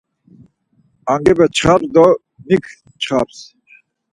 Angepe çxams do mik çxams?